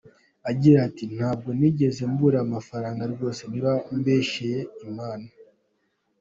Agira ati "Ntabwo nigeze mbura amafaranga rwose, naba mbeshyeye Imana.